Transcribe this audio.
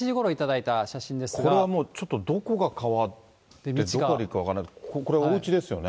これはもう、ちょっとどこが川でどこが陸か分からない、これはおうちですよね。